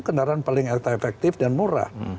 kendaraan paling efektif dan murah